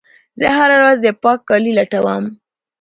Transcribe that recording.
زه هره ورځ د پاک کالي لټوم.